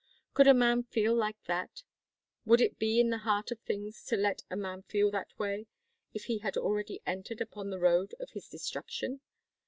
Could a man feel like that, would it be in the heart of things to let a man feel that way, if he had already entered upon the road of his destruction?